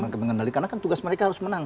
karena kan tugas mereka harus menang